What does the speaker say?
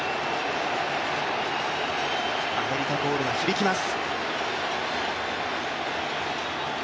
アメリカコールが響きます。